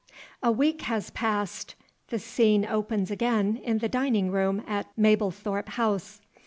A WEEK has passed. The scene opens again in the dining room at Mablethorpe House.